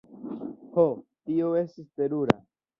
Ho, tio estis terura!